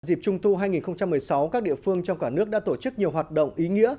dịp trung thu hai nghìn một mươi sáu các địa phương trong cả nước đã tổ chức nhiều hoạt động ý nghĩa